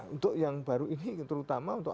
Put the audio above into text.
untuk yang baru ini terutama untuk